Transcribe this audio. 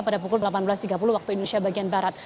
pada pukul delapan belas tiga puluh waktu indonesia bagian barat